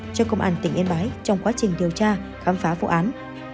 cho công an tỉnh yên bái trong quá trình điều tra khám phá vụ án